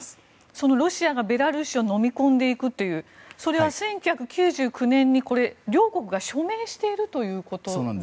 そのロシアがベラルーシをのみ込んでいくっていうそれは１９９９年に両国が署名しているということですよね。